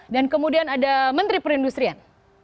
dan kemudian ada menteri perindustrian